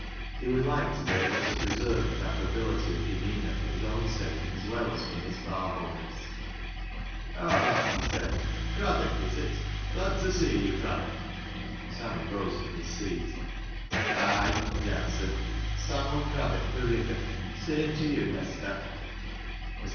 He would like to be able to preserve his affability of demeanor for his own sake as well as for Miss Barholm's. " Ah !" he said, " Oraddoek, is it ? Glad to see you, Craddock." Sammy rose from his seat. " Aye," he answered. " Sam'U Craddock fro' Riggan. Same to you, Mester." Mr.